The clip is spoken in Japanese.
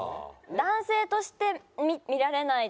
男性として見られないっていう。